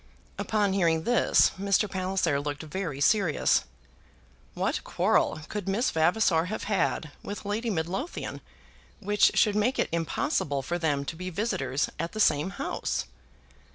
Upon hearing this Mr. Palliser looked very serious. What quarrel could Miss Vavasor have had with Lady Midlothian which should make it impossible for them to be visitors at the same house?